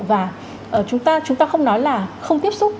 và chúng ta không nói là không tiếp xúc